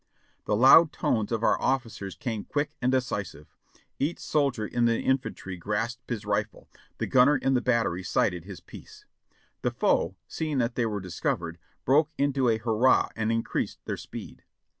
"The loud tones of our officers came quick and decisive. Each soldier in the infantry grasped his rifle, the gunner in the battery sighted his piece. The foe, seeing that they were discovered, broke into a hurrah and increased their speed.